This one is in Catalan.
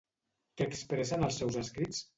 Què expressen els seus escrits?